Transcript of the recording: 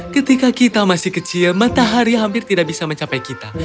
ketika kita masih kecil matahari hampir tidak bisa mencapai kita